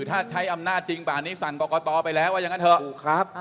ถ้าใช้อำนาจจริงบ่านอันนี้สั่นปกติต่อไปแล้วว่ายังไงเถอะ